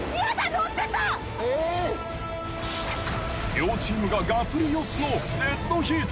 両チームががっぷり四つのデッドヒート。